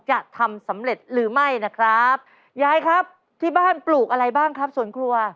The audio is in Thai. จะทำสำเร็จหรือไม่นะครับยายครับที่บ้านปลูกอะไรบ้างครับสวนครัว